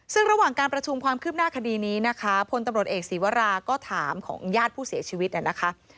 ซึ่งระหว่างการประชุมความคืบหน้าคดีนี้นะคะพลตำรวจเอกศีวราก็ถามของญาติผู้เสียชีวิตนะคะ